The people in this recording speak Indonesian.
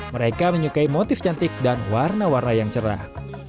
mereka menyukai motif cantik dan warna warna yang cerah